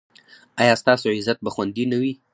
ایا ستاسو عزت به خوندي نه وي؟